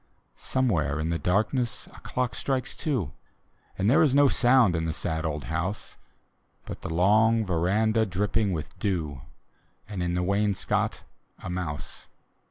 Somewhere in the darkness a clock strikes two; And there is no sound in the sad old house, But the long veranda dripping with dew, And in the wainscot a mouse.